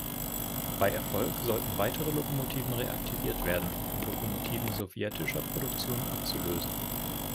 Bei Erfolg sollten weitere Lokomotiven reaktiviert werden, um Lokomotiven sowjetischer Produktion abzulösen.